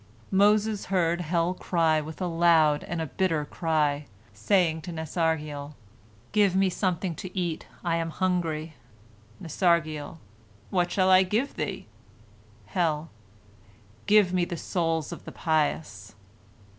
Moses heard hell cry with a loud and a bitter cry, saying to Nasargiel: "Give me something to eat, I am hungry."— Nasargiel: "What shall I give thee?"—Hell: "Give me the souls of the pious."